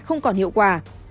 không còn hiệu quả